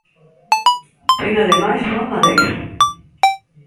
Ten ademais boa madeira.